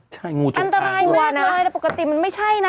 ใช่งูจงอ้างด้วยนะอันตรายมากเลยแต่ปกติมันไม่ใช่นะ